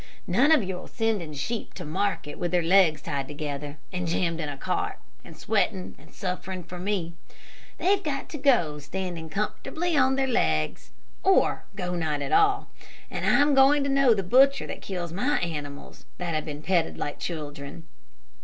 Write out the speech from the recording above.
None of your sending sheep to market with their legs tied together, and jammed in a cart, and sweating and suffering for me. They've got to go standing comfortably on their legs, or go not at all. And I'm going to know the butcher that kills my animals, that have been petted like children.